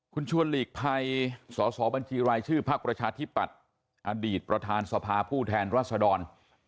คุณชวนลีกภัยสบรชื่อภักรชาธิปัตธ์อดีตประทานสภาผู้แทนราษฎร